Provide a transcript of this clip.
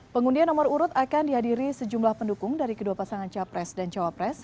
pengundian nomor urut akan dihadiri sejumlah pendukung dari kedua pasangan capres dan cawapres